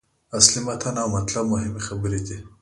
اصلي متن او مطلب مهمې برخې دي.